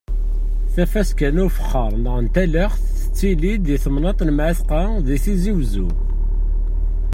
Tafaska n ufexxaṛ neɣ n talaxt tettili-d di temnaḍt n Mɛatqa di Tizi Wezzu.